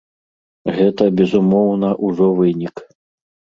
Гэта, безумоўна, ужо вынік.